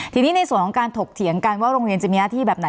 ทีนี้ในส่วนของการถกเถียงกันว่าโรงเรียนจะมีหน้าที่แบบไหน